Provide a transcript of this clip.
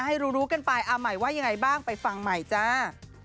ให้รู้กันไปอาใหม่ว่ายังไงบ้างไปฟังใหม่จ้า